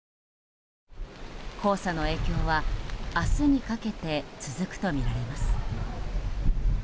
黄砂の影響は明日にかけて続くとみられます。